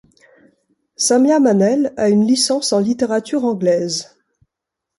Samia Manel a une licence en littérature anglaise.